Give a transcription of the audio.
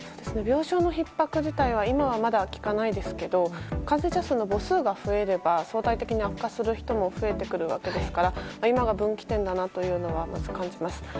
病床のひっ迫自体は今はまだ聞かないですが患者数の母数が増えれば相対的に悪化する人も増えてくるわけですから今が分岐点だなと感じます。